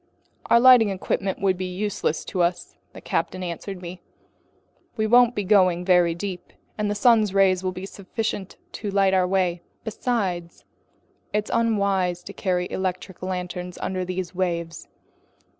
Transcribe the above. "Our lighting equipment would be useless to us," the captain answered me. "We won't be going very deep, and the sun's rays will be sufficient to light our way. Besides, it's unwise to carry electric lanterns under these waves.